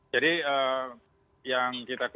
jadi yang kita ketahui